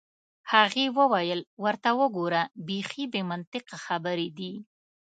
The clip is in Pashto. هغې وویل: ورته وګوره، بیخي بې منطقه خبرې دي.